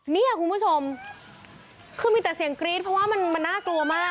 เนี่ยคุณผู้ชมคือมีแต่เสียงกรี๊ดเพราะว่ามันน่ากลัวมาก